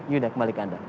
yudha kembali ke anda